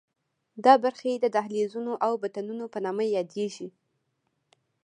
دا برخې د دهلیزونو او بطنونو په نامه یادېږي.